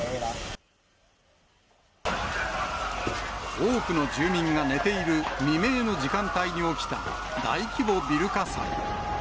多くの住民が寝ている未明の時間帯に起きた、大規模ビル火災。